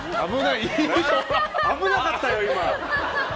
危なかったよ、今。